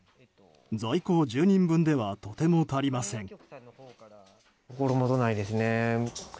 在庫１０人分ではとても足りません。